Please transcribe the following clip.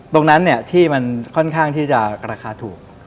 ตรงนั้นที่มันค่อนข้างที่จะราคาถูก